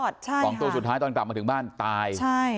สองตัวสุดท้ายตอนกลับมาถึงบ้านตายใช่